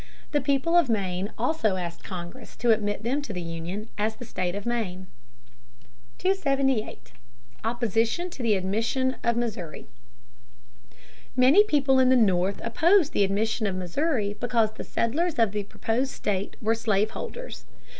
The people of Maine also asked Congress to admit them to the Union as the state of Maine. [Sidenote: Objections to the admission of Missouri.] 278. Opposition to the Admission of Missouri. Many people in the North opposed the admission of Missouri because the settlers of the proposed state were slaveholders.